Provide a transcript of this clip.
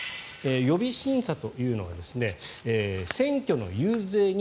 予備審査というのは選挙の遊説に